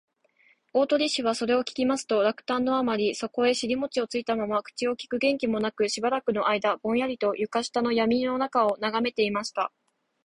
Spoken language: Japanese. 大鳥氏はそれを聞きますと、落胆のあまり、そこへしりもちをついたまま、口をきく元気もなく、しばらくのあいだぼんやりと、床下のやみのなかをながめていました